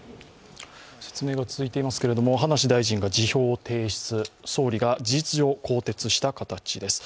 説明が続いていますけれども葉梨大臣が辞表を提出、総理が事実上、更迭した形です。